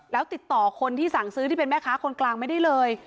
แล้วติดต่อคนที่สั่งซื้อที่เป็นแม่ค้าคนกลางไม่ได้เลย